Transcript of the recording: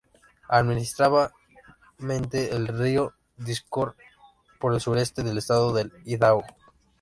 Administrativamente, el río discurre por el sureste del estado de Idaho.